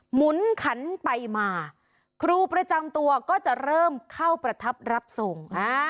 หมุนขันไปมาครูประจำตัวก็จะเริ่มเข้าประทับรับส่ง